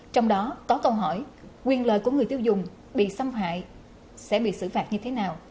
trong đó có câu hỏi quyền lợi của người tiêu dùng bị xâm hại sẽ bị xử phạt như thế nào